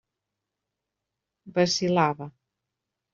Vacil·lava.